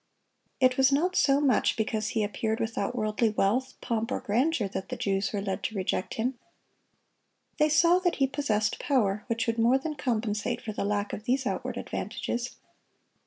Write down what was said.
It was not so much because He appeared without worldly wealth, pomp, or grandeur, that the Jews were led to reject Him. They saw that He possessed power which would more than compensate for the lack of these outward advantages.